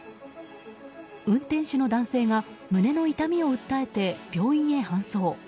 運転手の男性が胸の痛みを訴えて病院へ搬送。